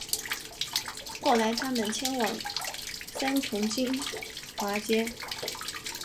后来他们迁往三重金华街